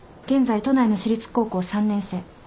現在都内の私立高校３年生。